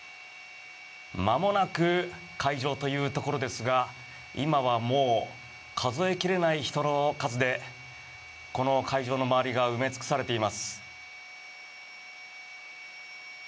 まもなく開場というところですが今はもう数え切れない人の数でこの会場の周りが埋め尽くされています。